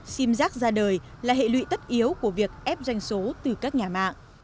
sim giác ra đời là hệ lụy tất yếu của việc ép doanh số từ các nhà mạng